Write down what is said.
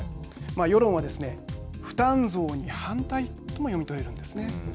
世論はですね、負担増に反対とも読み取れるんですね。